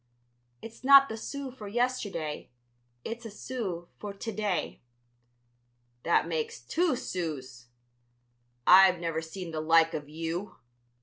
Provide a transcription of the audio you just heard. "It's not the sou for yesterday; it's a sou for to day." "That makes two sous! I've never seen the like of you!"